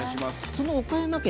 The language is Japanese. その岡山県